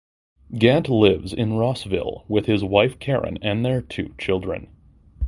Gant lives in Rossville with his wife Karen and their two children.